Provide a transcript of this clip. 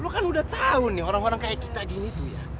lu kan udah tahu nih orang orang kayak kita gini tuh ya